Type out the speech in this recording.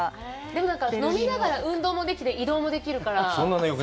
でもなんか飲みながら運動もできて、移動もできるから。